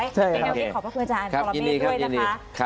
อย่างนั้นวันนี้ขอบพระคุณอาจารย์ทรมานเมฆด้วยนะคะ